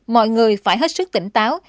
mọi người phải hết sức tỉnh táo